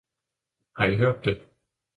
har I hørt det!